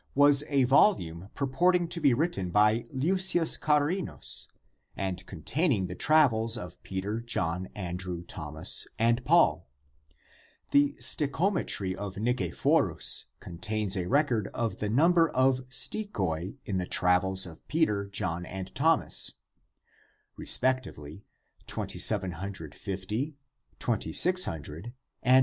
114) was a volume purporting to be written by Leucius Charinus and containing the travels of Peter, John, Andrew, Thomas and Paul. The stichometry of Nicephorus contains a record of the number of stichoi in the travels of Peter, John, and Thomas, respectively, viz.: 2,750, 2,600, 1,600.